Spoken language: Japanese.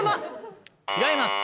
違います。